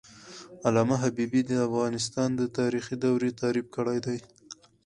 علامه حبيبي د افغانستان د تاریخ دورې تعریف کړې دي.